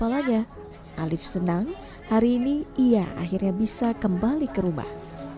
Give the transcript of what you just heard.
alif senang hari ini ia akhirnya bisa kembali ke rumah